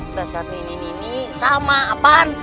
dasar ini ini ini sama apaan